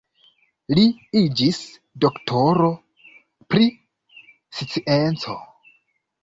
Li iĝis doktoro pri scienco.